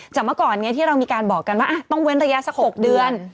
เมื่อก่อนนี้ที่เรามีการบอกกันว่าต้องเว้นระยะสัก๖เดือน